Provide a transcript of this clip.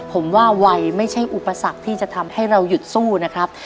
ผมว่าวัยไม่ใช่อุปสรรคที่จะทำให้เราหยุดสู้นะครับ